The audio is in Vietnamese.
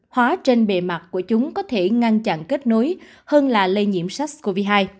hóa trên bề mặt của chúng có thể ngăn chặn kết nối hơn là lây nhiễm sars cov hai